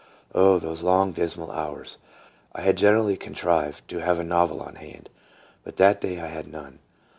Oh, those long, dismal hours ! I had gener ally contrived to have a novel on hand, but that day I had none.